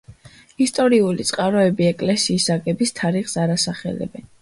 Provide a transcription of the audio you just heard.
ისტორიული წყაროები ეკლესიის აგების თარიღს არ ასახელებენ.